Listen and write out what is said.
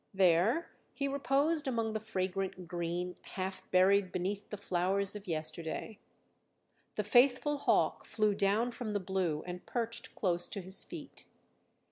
There he reposed among the fragrant green, half buried beneath the flowers of yesterday. The faithful hawk flew down from the blue and perched close to his feet.